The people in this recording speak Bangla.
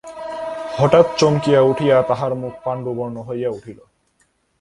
হঠাৎ চমকিয়া উঠিয়া তাহার মুখ পাণ্ডুবর্ণ হইয়া উঠিল।